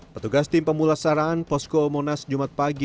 pertugas tim pemula saran posko monas jumat pagi